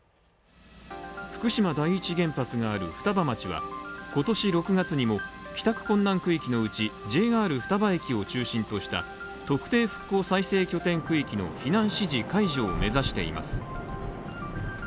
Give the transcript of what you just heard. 福島第１原発がある双葉町は今年６月にも帰宅困難区域のうち、ＪＲ双葉駅を中心とした特定復興再生拠点区域の避難指示解除を目指しています。